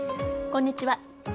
こんにちは。